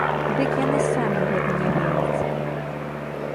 Дык яны самі ў гэта не вераць.